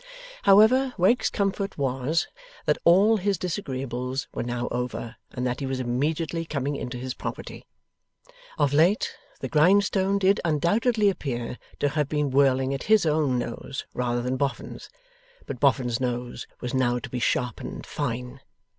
However, Wegg's comfort was, that all his disagreeables were now over, and that he was immediately coming into his property. Of late, the grindstone did undoubtedly appear to have been whirling at his own nose rather than Boffin's, but Boffin's nose was now to be sharpened fine.